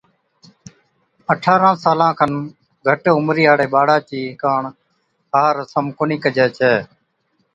اٺارھان سالان کن گھٽ عمرِي ھاڙي ٻاڙان چي ڪاڻ ھا رسم ڪونھِي ڪجَي ڇَي